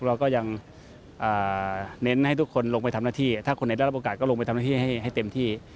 เราก็ยังเน้นให้ทุกคนลงไปทำหน้าที่ถ้าคนไหนได้รับโอกาสก็ลงไปทำหน้าที่ให้เต็มที่